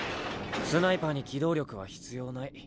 スナイパーに機動力は必要ない。